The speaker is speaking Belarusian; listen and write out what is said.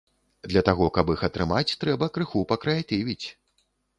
Для таго, каб іх атрымаць, трэба крыху пакрэатывіць!